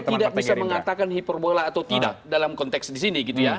saya tidak bisa mengatakan hyperbola atau tidak dalam konteks di sini